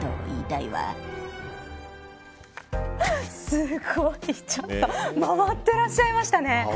すごい回ってらっしゃいましたね。